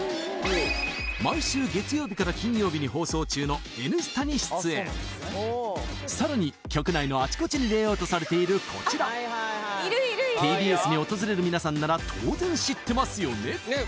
毎週月曜日から金曜日に放送中の「Ｎスタ」に出演さらに局内のあちこちにレイアウトされているこちらＴＢＳに訪れるみなさんなら当然知ってますよね？